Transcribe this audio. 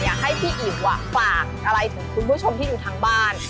อยากให้พี่อิ๋วฝากอะไรถึงคุณผู้ชมที่ดูทางบ้าน